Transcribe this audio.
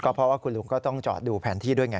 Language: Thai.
เพราะว่าคุณลุงก็ต้องจอดดูแผนที่ด้วยไง